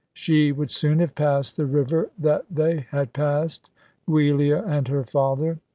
She would soon have passed the river that they had passed, Giulia and her father.